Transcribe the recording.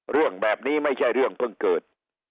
เรื่องแบบนี้ไม่ใช่เรื่องเพิ่งเกิด